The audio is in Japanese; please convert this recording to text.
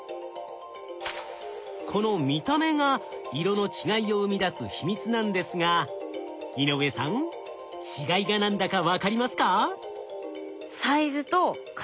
この見た目が色の違いを生み出す秘密なんですが井上さん違いが何だか分かりますか？